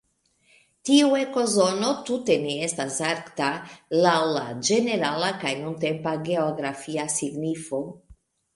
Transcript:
Tiu ekozono tute ne estas "arkta" laŭ la ĝenerala kaj nuntempa geografia signifo.